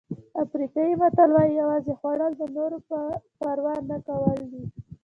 افریقایي متل وایي یوازې خوړل د نورو پروا نه کول دي.